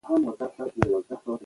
ښه شیان زموږ د طبیعت سره سم دي.